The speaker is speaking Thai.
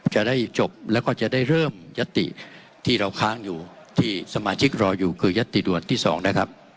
จะได้จบแล้วก็จะได้เริ่มยัตติที่เราค้างอยู่ที่สมาชิกรออยู่คือยัตติด่วนที่๒นะครับ